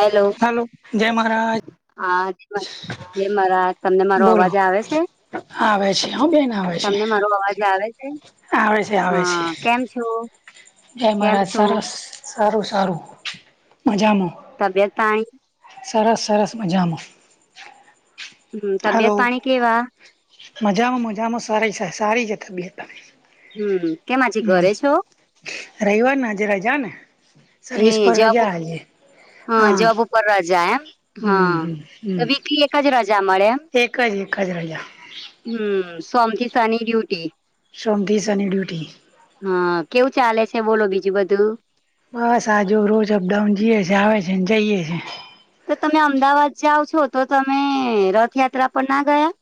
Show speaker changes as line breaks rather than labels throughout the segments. Hello હાલો જય મહારાજ.
આજ મદ જેય મહરાજ તમને મારો
બોલો
અવાજ આવે સે.
આવે છે હ બેન આવે છે
તમને મારો અવાજ આવે છે
આવે છે આવે છે
હ-હ-હ કેમ છો?
જય
કેમ
મહરાજ
છો
સારાસ સારું સારું મજામાં.
તબિયત પાણી
સરસ-સરસ મજામ.
હમ્મ તબિયત પાણી કેવા?
મજામાં મજામાં સારી સે સારી જે તબિયત પાણી.
હમ્મ કેમ આજે ઘરે છો?
રઈવારને આજે રજા ને સર્વિસ પર રજા આજે.
હ
હા
જોબ ઉપર રજા એમ હ
હમ
તો
હમ
વીકલી એક જ રજા મળે એમ.
એક જ એખ જ રજા
હમ્મ સોમ થી શની ડ્યુટી
સોમ થી શની ડ્યુટી
હા, કેવું ચાલે છે બોલો બીજું બધું?
બસ આજુ રોજ અપડાઉન જીએ છે આવે છે ને જઈએ છે.
તો તમે અમદાવાદ જાઓ છો તો તમે રથયાત્રા પર ના ગયા?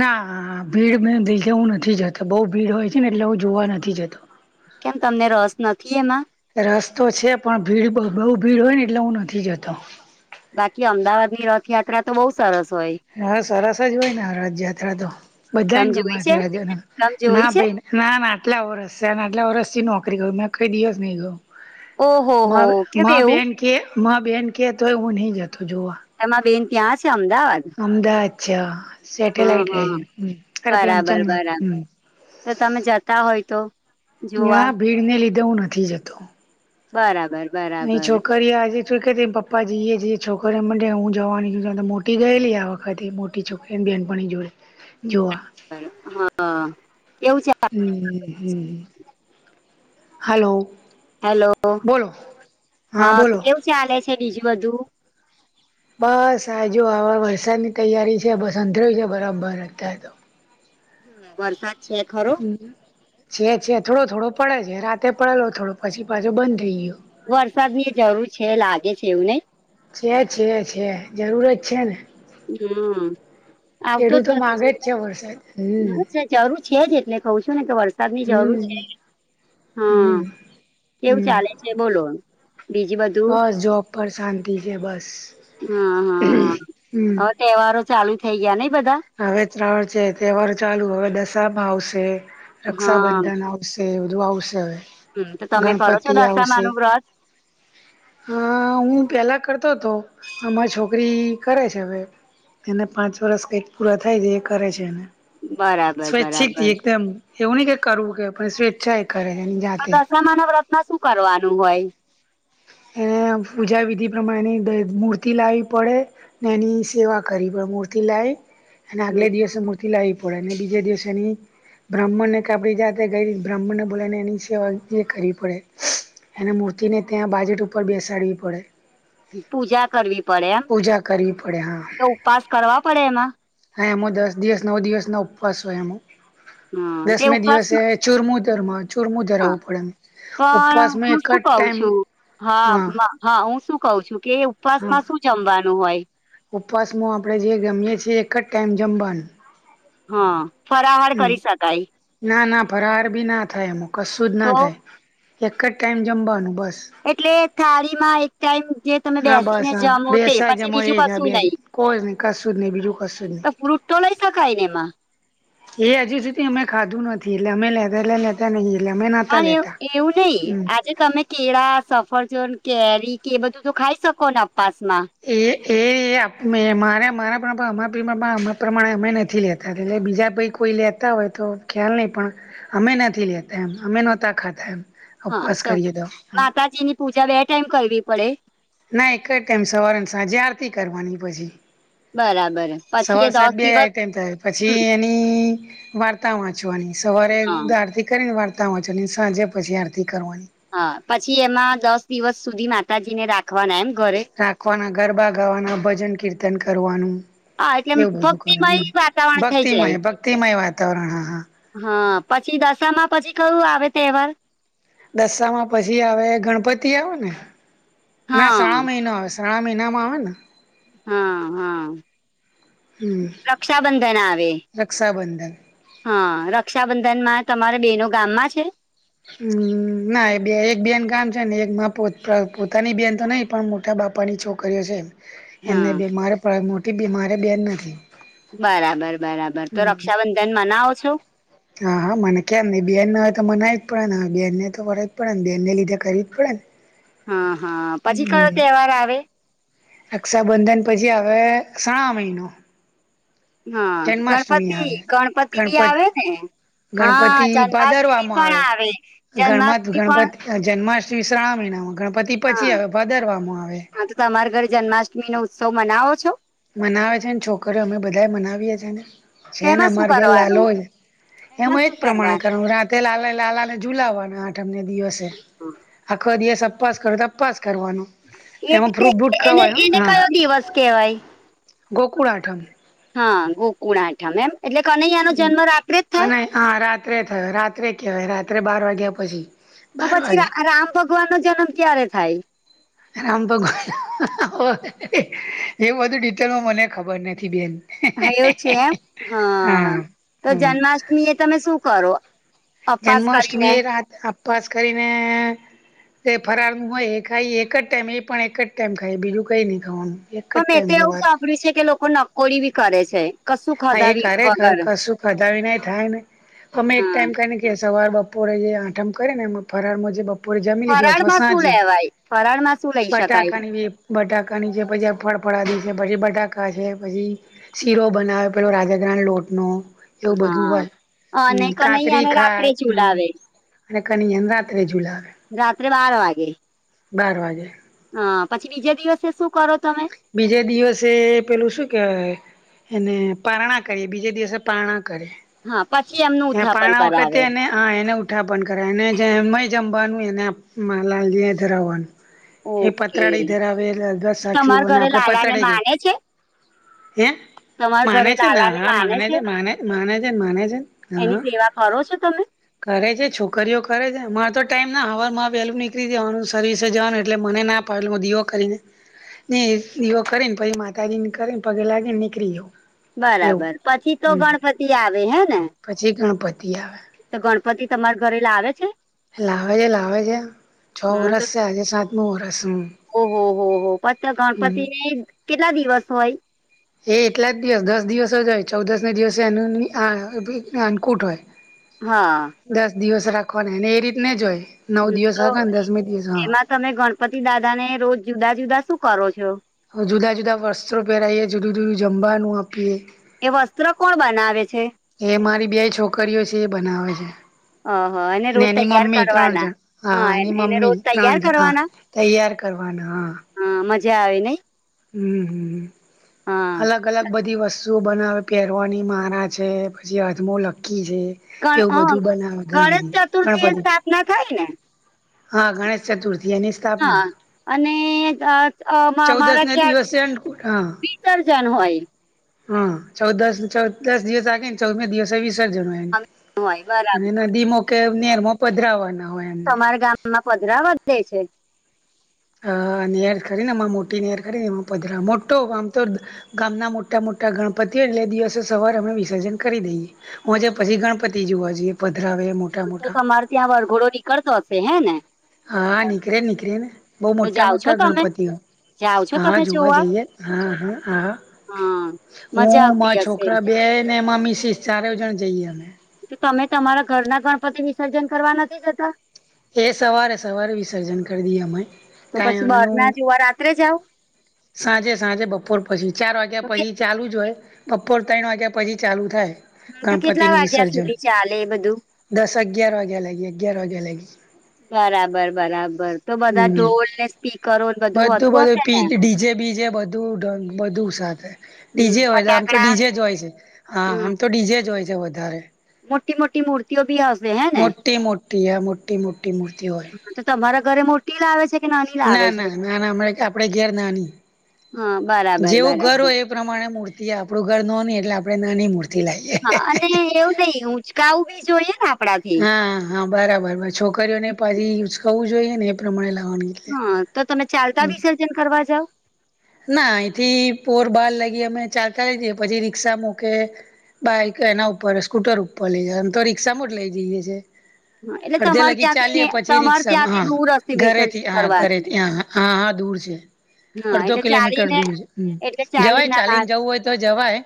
ના, ભીળ મેં ભીજવું નથી જતો, બોવ ભીડ હોય છે ને એટલે હુ જોવા નથી જતો
કેમ તમને રસ નથી ઇ એમાં?
રરસ તો છે, પણ ભીળ બો બોવ ભીળ હોય ને એટલે હું નથી જતો.
બાકી અમદાવાદની રથયાત્રા તો બોવ સરસ હોય
હા, સરસ જ ઓયને આ રજયાત્રા તો બધાયન
તમે જોઈ
ગમા છે,
તમે જોઈ
ના
છે
ભઈ ના ના આટલા વરષ સેને આટલા વરષથી નોકરી કરું મે કઈ દિવસ નઇ ગયો
ઓહો હો
માબે
કેમ
મા
એવું
બેન કેએ મા બેન કે તોય હું નહી જતો જોવા
હેમાં બેન ત્યાં છે, અમદાવાદ?
અમદાવાદ છે અ
હમ
સેટેલાઈટ રેઇ
હમ
હમ્મ, અરે
બરાબર
પ્રેમચંદ નગર.
બરાબર
હમ્મ
તો તમે જતા હોય તો જોવા
ના ભીડ ને લીધે હુ નથી જતો
બરાબર બર
ની છોકરીઓ આજે થુલ કેટીક પપ્પા જીએ જીયે જે છોકરામ મન જયાવુ હું જવાની છું તમ મોટી ગયેલી આ વખતે મોટી છોક એની બેનપણી જોળે, જોવા.
હ અ, એવું છે આ
હમ્મ હમ્મ હાલો
હેલો, હા, કેવું ચાલે છે બીજું બધું?
બસ આજો આ વવરસાદની તૈયારી છે બસ અંધેરોય છે બરાબર અત્યાર તો
હમ્મ વરસાદ છે ખરો
છે છે થોળો થોળો પળે છે, રાતે પળેલો થોળો, પછી પાછો બન થેઈ ગીયો
વરસાદની જરૂર છે લાગે છે એવું નઈ
છે છે છે જરૂર જ ને,
હમ આવતો
ખેડૂતો
નથી
માગે જ છે વરસાદ હમ્મ
જરૂર છે જ એટલે કહું છું ને કે વર સાદ ની જરૂર
હમ
છે, હા
હમ
કેવું
હમ
ચાલે, છે બોલો એમ, બીજી બધ
બસ જોબ પર શાંતિ છે બસ
હા હા હા
હમ્મ
હવે તહેવારો ચાલુ થઈ ગયા નહીં બધા?
હવે શ્રાવણ છે તહેવારો ચાલુ, હવે દસામા આવશે,
હા
રક્ષાબંધન આવ શે, એ બધું આવશે હવે.
હમ્મ, તો તમે કરો છો
ગણપતિ આવશે
દશામાનું વ્રત?
હા, હું પહેલાં કરતો હતો, અમારી છોકરી કરે છે હવે, એને પાંચ વરષ કઈક પૂરા થાય તો એ કરે છે એને
બરાબર
સ્વૈચ્છિક
બરાબર
એકદમ, એવું નહી કે કરવું કે પર સ્વેચ્છા કરે એ જાતે,
દસમા ના વ્રતમાં શું કરવાનું હોય?
એ પૂજા વિધિ પ્રમાણેની મૂર્તિ લાવવી પડે. ને એની સેવા કરી પણ મૂર્તિ લાવ અને આગલે
હમ
દિવસે મૂ ર્તિ લાહી પડે એને બીજે દિવસે એની, બ્રાહ્મણને કા બીજા આપણી જાતે ગઈ બ્રાહ્મણને બોલાને એની સેવા એ કરવી પડે, અને મૂર્તિને ત્યાં બાજોટ ઉપર બેસાડવી પડે.
પૂજા કરવી પડે એમ,
પૂજા કરવી પડે હા
તો ઉપવાસ કરવા પડે એમાં?
હા એમાં દસ દિવસ નવ દિવસ નો ઉપવાસ હોય એમાં,
હ તે
દસમે
ઉપવાસ
દિવસે ચુરમુ ધર મા‌ ચુરમુ ધરાઆવવું પડે એમાં
પણ
ઉપવાસમાં
હું
એક જ
શું કઉ
ટાઈમ
છું હા હા હું શું કું છું કે ઉપવાસ
હા
માં શું જમવાનું હોય.?
ઉપવાસમાં આપણે જે જમીએ છીએ એક જ ટાઈમ જમવાનું.
હા ફરાહાર
હમ
કરી શકાય.?
ના ના ફરાર બી ના થાય એમ કશું જ ના
તો
થાય, એક જ ટાઈમ જમવાનું બસ.
એટલે થાળીમાં એક ટાઈમ જે તમે
હા બસ
બેસીને
હા
જમો તે
બેસા
પછી
જમો એ
બીજું કશું
જ
શું
બે
નહીં.
કોઈ જ નહી કશું જ નહી બીજું કશું જ
તો ફ્રુટ તો લઇ શકાય ને એમાં.?
એ હજુ સુધી અમે ખાધું નથી એટલે અમે લાવેલા તા નહીં એટલે અમે ન
પણ એવ એવું નહી, આજે તમે કેળા, સફરજન, કેરી કે એ બધું તો ખાઈ શકો ને ઉપવાસમાં.?
એ એ મારે મારા અમારામા પીઅ પ્રમાણે અમે નથી લેતા. એટલે બીજા પઈ કોઈ લેતા હોય તો ખ્યાલ નહી પણ અમે નથી લેતા એમ, અમે નહોતા ખાતા એમ.
હા
ઉપવાસ
તો
કરીએ
માતાજીની પૂજા બે ટાઈમ કરવી પડે.?
ના એક જ ટાઈમ સવારે, સાંજે આરતી કરવાની પછી.
બરાબર પછી
સવાર
એ દસ
સાંજ બે યા
દિવસ
ટાઈમ થાય પછી
હમ
એની છી વાર્તા વાંચવાની સવારે
હા
આરતી કરીને વાર્ત તા વાંચવાની અને સાંજે પછી આરતી કરવાની.
હા પછી એમાં દસ દિવસ સુધી માતાજીને રાખવાના એમ? ઘરે
રાખવાના, ગરબા ગાવાના, ભજન કીર્તન કરવાનું.
હા એટલે
એવું બધું કરવા
ભક્તિમય
નું
વાતાવરણ થઈ જાય
ભક્તિમય ભક્તિમય વાતાવરણ હા હા,
હા પછી દશામાં પછી કયું આવે તહેવાર.?
દસામાં પછી આવે ગણપતિ આવે ને? ના
હા
શ્રાવણ મહિનો આવે છે. ઘ્રણા મહિનામાં આવેને.?
હા હા
હમ
રક્ષાબંધન આવે.
રક્ષાબંધન.
હા રક્ષાબંધનમાં તમારા બેનો ગામમાં છે.?
હમ ના બે એક બેન ગામ છે ને એક મા પોતાની બેન તો નહી પણ મોટા બાપાની છોકરીઓ છે એમને
હા
બીમાર પડે મોટી બીમારી બેન નથી.
બરાબર બરાબર તો
હમ
રક્ષાબંધન મનાવો છો?
હા હા મને કેમ નય બેન ના હોય તો મનાય પડેને બેનને તો કરવી જ પડેને બેનને લીધે કરવી જ પડેને.
હા હા પછી કયો તહેવાર આવે.?
રક્ષાબંધન પછી આવે સાવન મહિનો.
હા
જન્માષ્ટમી
ગણપતિ
આવે
ગણપતિ બી
ગણપત
આવે ને? હા
ગણપતિ
જન્માષ્ટમી
ભાદરવામાં
પણ આવે,
ગણમત
જન્માષ્ટમી પણ
ગણપતિ જન્માષ્ટમી શ્રાવણ મહિનામાં, ગણપતિ
હા
પછી આવે ભાદરવામાં આવે.
હા તો તમારા ઘર જન્માષ્ટમી નો ઉત્સવ મનાવો છો?
મનાવે છે ને છોકરીઓ અમે બધા મનાવીએ છીએ ને છે ને
તેમાં શું
અમારે ઘેર લાલો
કરવાનું
ય. એમાં એ જ
શું
પ્રમાણે
કરવાનું
કરુ, રાતે લાલા લાલાને ઝુલાવવાના આઠમને દિવસે. આખો દિવસ અપાસ કરો અપાસ કરવાનું.
એટલે એને ઈને કયો દિવસ કેહેવાય?
ગોકુળ આઠમ.
હા, ગોકુળ આઠમ એમ! એટલે કે કનૈયા નો જન્મ રાત્રે જ થાય?
કને હા રાત્રે થાય રાત્રે કહેવાય રાત્રે બાર વાગ્યા પછી.
તો
બાર
પછી
વાગે
રામ ભગવાન નો જન્મ ક્યારે થાય?
રામ ભગવાન એવું બધું ડિટેલમાં મને ખબર નથી બેન.
હા એવું છે એમ!
હા
હં.. તો
હા
જન્માષ્ટમી એ તમે શું કરો? અપવાસ કરીને
જન્માષ્ટમીએ રાતે અપાસ કરીને.. એ ફરારનું હોય એ ખાઈએ એક જ ટાઈમ એ પણ એક જ ટાઈમ ખાઈએ બીજું કંઈ નહીં ખાવાનું. એક જ
પણ મેં તો
ટાઈમ
એવું
સવારે
સાંભળ્યું છે કે લોકો નકોરડી બી કરે છે. કશું
હા એ
ખધાવી
કરે
વગર
કશું ખધાવીને એ થાય ને અમે એક
હા
ટાઈમ કરીને કે સવાર બપોરે એ આઠમ કરે ને એમાં ફરાર માં જે બપો પૂરે જમી લીધો અથવા
ફરાળમાં શું
સાંજે
લેવાય ફરાળમાં શું લઈ શકાય
બટાકનીવે બટાકા ની છે પછી આ ફળફળાદી છે પછી બટાકા છે પછી શીરો બનાવ્યો પેલો રાજગરા ના લોટ નો એવું બધું હોય હ.
હા અને
મ.. કાતરી
કનૈયાને
ખાય
રાત્રે
હ. મ..
ચુલાવે
અને કનૈયાને રાત્રે ઝૂલાવે.
રાત્રે બાર વાગે.
બાર વાગે.
હં.. પછી બીજા દિવસે શું કરો તમે?
બીજે દિવસે પેલું શું કેવાય? એને પારણા કહીએ બીજે દિવસે પારણા કરે.
હા, પછી એમનું
એ
ઉથાપન
પાણા વખતે
કરાવે.
એને હા, એને ઉઠાપન કરાય એને જેય જમવાનું એને લાલજીએ ધરાવવાનું. એ
ઓકે
પતરાળી ધરાવે એટલે અગ
તમારા
સાખીઓના
ઘરે
આપડે
લાલાને
પતાળે ગયાં.
માને છે
હેં! માને છે ને? હ.. હા, માને છે માને માને છે માને છે. ને
એની
હા
સેવા કરો છો તમે?
કરે છે. છોકરીઓ કરે છે. મારે તો ટાઈમ ના હવારમાં વહેલું નીકળી જવાનું સર્વિસે જવાનું એટલે મને ના પેલો દીઓ કરીને. ને દિવો કરે ને પછી માતાજી ને કરે ને પગે લાગે ને નીકરી જઉ.
બરાબર, પછી તો ગણપતિ આવે હેં ને?
પછી ગણપતિ આવે.
તો ગણપતિ તમારા ઘરે લાવે છે?
લાવે છે, લાવે છે છ
હા તો
વરસ છે આજે સાતમું વરસ હું.
ઓહો હો હો! પછ તો ગણપતિને કેટલા દિવસ હોય?
એ એટલા જ દિવસ દસ દિવસ જ હોય ચૌદસ ના દિવસે એનું [unintelligible] અન્નકૂટ હોય.
હાં...
દસ દિવસ રાખવાના ને એ રીત ને જો હોય નવ
હમ,
દિવસ
તો
રાખવાના ને દસમી દિવસ હં
એમાં તમે ગણપતિ દાદા ને રોજ જુદા જુદા શું કરો છો?
જુદા જુદા વસ્ત્રો પહેરાઈએ જુદું જુદું જમવાનું આપીએ.
એ વસ્ત્ર કોણ બનાવે છે?
એ મારી બે છોકરીઓ છે એ બનાવે છે.
અહ એને
અને
રોજ
એની
તૈયાર
મમ્મી ત્રણ
કરવાના
જણ. હા, એની
એને એને
મમ્મી
રોજ
ત્રણ
તૈયાર
જણ હા. તૈયાર કરવાના હાં.
હાં, મજા આવે નઈ? હા
[unintelligible] અલગ અલગ બધી વસ શું બનાવે પહેરવાની મારા છે પછી અજમો લકી છે.
ગણ
એવું બધું બનાવે
અ
ગણપ
ગણેશ ચતુર્થી એ
ગણપતિ
સ્થાપના થાય ને
હા ગણેશ ચતુર્થી અને
હા અનેક આ
ચૌદસ ના દિવસે અન્નકૂટ આ
[unintelligible] હોય
હા ચૌદ દસ ચૌદ દસ દિવસ આગે ને ચૌદમે દિવસ વિસર્જન હોય ને
હોય બરાબર
અને નદીમાં કે નેરમાં પધરાવાના હોય એમને
તમારા ગામમાં પધરાવા દે છે?
અ નેર ખરીને અમાર મોટી નેર ખરીને એમાં પધરા મોટો આમ તો ગામના મોટા મોટા ગણપતિઓ એટલે દિવસો સવારે વિસર્જન કરી દઈએ. હોજે પછી ગણપતિ જોવા જઈએ પધરાવે એમાં
તો તમારે ત્યાં વરઘોડો નીકળતો હશે હે ને?
હા નીકળે ને નીકળે ને બહુ
તો
મોટા
જાઓ છો
મોટા
તમે
ગણપતિઓ
જાઓ છો
હા
તમે
જોવા જઈએ હા હા હા
હા
હું
મજા આવતી
મા
હશે
છોકરા બે ને એમાં મિસીસ ચારે જણ જઈએ અમે.
તો તમે તમારા ઘરના ગણપતિ વિસર્જન કરવા નથી જતા?
એ સવારે સવારે વિસર્જન કર દઈએ અમે
તો પછી બહાર
ટાઈમનું
ના જોવા રાત્રે જાઓ?
સાંજે સાંજે બપોર પછી ચાર વાગ્યા
તો કે
પહી ચાલુ જ હોય. બપોર ત્રઈણ વાગ્યા પછી ચાલુ થાય.
હા તો કેટલા
ગણપતિનું
વાગ્યા
વિસર્જન
સુધી ચાલે એ બધું?
દસ અગિયાર વાગ્યા લાગી અગિયાર વાગ્યા લાગી
બરાબર બરાબર તો બધા
હમ
ઢોલ ને સ્પીકરો ને બધુ
બધું બધુ પી ડીજે બીજે બધું બધું સાથે ડીજે
હમ
હોય તો આમ તો
ફટાકડા
ડીજે જ હોય છે હા
હમ
આમ તો ડીજે જ હોય છે વધારે
મોટી મોટ ટી મૂર્તિઓ ભી હસે હે ને
મોટી મોટી એ મોટી મોટી મૂર્તી હોય.
હા તો તમારા ઘરે મોટી લાવે છે? કે નાની લાવે
ના
છે
ના ના ના હ આપડે ઘેર નાની
હા બરાબર
જેવું ઘર
બરાબર
હોય પ્રમાણે મૂર્તિ આપડું ઘર નોની એટલે આપણે નાની મૂર્તિ લાઈએ.
હા અને એવું નઈ ઉંચકાવું બી જોઈએ ના
હા હા બરાબર છોકરીઓને પછી [unintelligible] જોઈએ ને એ પ્રમાણે લાવવાની એટલે
હા તો તમે
હમ
ચાલતા વિસર્જન કરવા જાવ?
ના અહીંથી પોરબર લઈએ અમે ચાલતા હોઈ ચાલી જએ પછી રિક્ષા મૂકે બાઈક એના ઉપર સ્કૂટર ઉપર લઇ જમ તો રીક્ષા મો જ લઇ જઈએ છ છે
હા એટલે
અડધે
તમારે
લાગી
ત્યાંથી ને
ચાલીએ પછી
તમારે
રિક્શામાં
ત્યાંથી
હા
દૂર હશે વિસર્જન
ઘરેથી હ ઘરે
કરવાનું
થી હ હા હા દૂર છે
હા
અડધો
એટલે
કિલોમીટર
ચાલીને
દૂર જવાય હમ
એટલે ચાલી
જવાય
ના ના
ચાલીને જવાય જવું હોય તો જવાય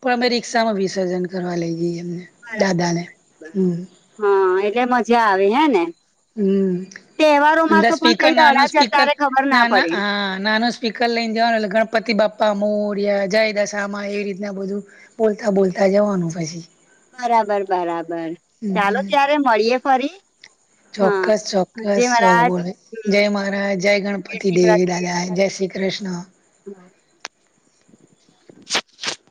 પણ અમે રિક્ષામાં વિસર્જન કરવા લઈ જઈએ એમને
બરાબર
દાદાને
બરાબર.
હમ
હા એટલે મજા આવે હે ને
હમ
તહેવારોમાં
અંદર
તો પણ
સ્પીકર
કઈ
નાનો
દડા
સ્પીકર
જતા રે ખબર
ના ના
પડે
હા નાુ સ્પીકર લઈને જવાનું એટલે ગણપતિ બાપા મોરિયા જાયદા સામા એવી રીતના બધું બોલતા બોલતા જવાનું પછી
બરાબર બરાબર ચાલો ત્યારે મળીયે ફરી હા
ચોક્કસ
જય
ચોક્કસ
મહારાજ,
બોલે
હમ
જય મહારાજ જય ગણપતિ
શ્રી
દેવ
કૃષ્ણ.
દાદા જય શ્રી કૃષ્ણ
[inaudible]